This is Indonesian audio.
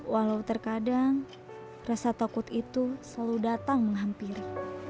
walau terkadang rasa takut itu selalu datang menghampiri